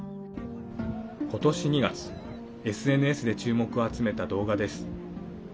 ことし２月ＳＮＳで注目を集めた動画です。